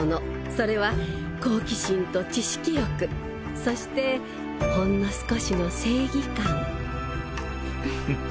それは好奇心と知識欲そしてほんの少しの正義感フフフ。